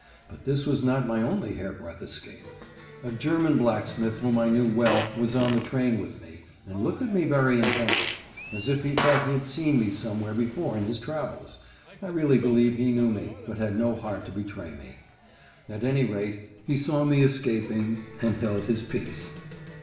But this was not my only hair breadth escape. A German blacksmith whom I knew well was on the train with me, and looked at me very intently, as if he thought he had seen me somewhere before in his travels. I really believe he knew me, but had no heart to betray me. At any rate, he saw me escaping and held his peace.